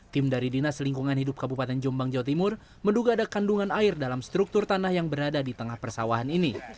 tim dari dinas lingkungan hidup kabupaten jombang jawa timur menduga ada kandungan air dalam struktur tanah yang berada di tengah persawahan ini